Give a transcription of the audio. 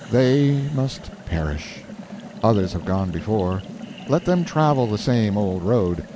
They must perish. Others have gone before. Let them travel the same old road.